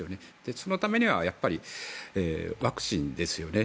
そのためにはワクチンですよね。